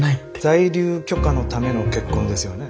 在留許可のための結婚ですよね？